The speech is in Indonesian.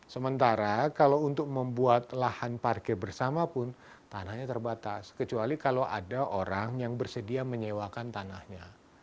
sementara kalau untuk membuat lahan parkir bersama pun tanahnya terbatas kecuali kalau ada orang yang bersedia menyewakan tanahnya